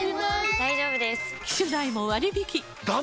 大丈夫です！